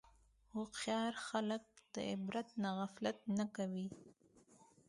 هوښیار خلک د عبرت نه غفلت نه کوي.